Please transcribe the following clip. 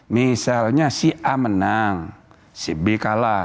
misalnya si a menang si b kalah